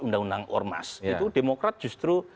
undang undang ormas itu demokrat justru